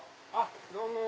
どうも。